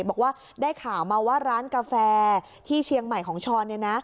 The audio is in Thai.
บอกว่าได้ข่าวมาว่าร้านกาแฟที่เชียงใหม่ของช้อน